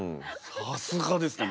さすがですね